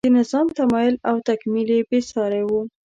د نظام تمایل او تکمیل بې سارۍ و.